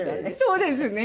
そうですね。